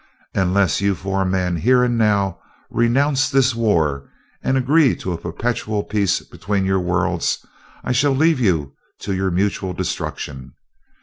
Unless you four men, here and now, renounce this war and agree to a perpetual peace between your worlds, I shall leave you to your mutual destruction.